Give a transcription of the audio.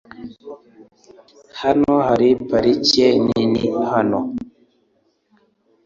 Hano hari parike nini hano .